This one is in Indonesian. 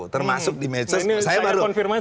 termasuk di medsos saya baru